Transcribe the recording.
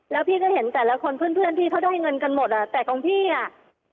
แล้วพี่ก็เห็นแต่ละคนเพื่อนเพื่อนพี่เขาได้เงินกันหมดอ่ะแต่ของพี่อ่ะ